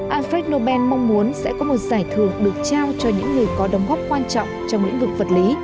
alfred nobel mong muốn sẽ có một giải thưởng được trao cho những người có đóng góp quan trọng trong lĩnh vực vật lý